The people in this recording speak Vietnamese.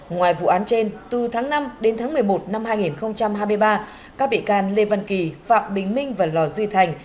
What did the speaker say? ngoài vụ án trên từ tháng năm đến tháng một mươi một năm hai nghìn hai mươi ba các bị can lê văn kỳ phạm bình minh và lò duy thành